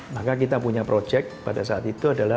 maka kita punya proyek pada saat itu adalah